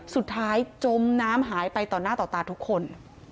จมน้ำหายไปต่อหน้าต่อตาทุกคน